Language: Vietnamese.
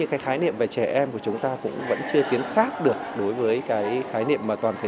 cái khái niệm về trẻ em của chúng ta cũng vẫn chưa tiến xác được đối với cái khái niệm mà toàn thể